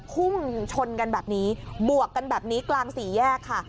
พุ่งชนกันแบบนี้บวกกันแบบนี้กลางสี่แยกค่ะ